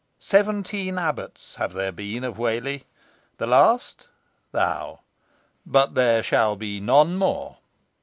Seventeen abbots have there been of Whalley the last thou! but there shall be none more."